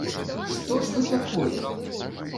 Што ж бы такое?